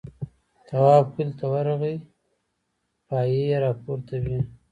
تواب کلي ته ورغی پایې راپورته وې.